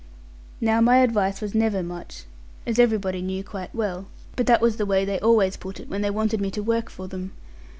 Now my advice was never much, as everybody knew quite well; but that was the way they always put it, when they wanted me to work for them.